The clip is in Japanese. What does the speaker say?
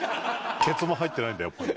ケツも入ってないんだやっぱり。